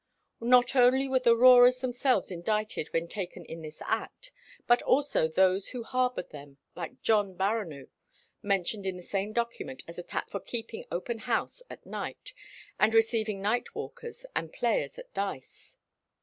Not only were the "roarers" themselves indicted when taken in this act, but also those who harboured them, like John Baronu, mentioned in the same document as attached for keeping open house at night, and receiving night walkers and players at dice.